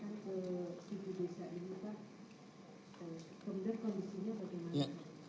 ini bayaran dan manfaat daerahnya